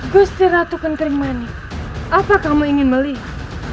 gusti ratu kentrimani apa kamu ingin melihat